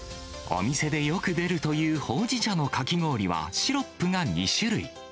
お店でよく出るというほうじ茶のかき氷は、シロップが２種類。